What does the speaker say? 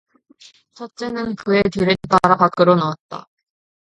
첫째는 그의 뒤를 따라 밖으로 나왔다.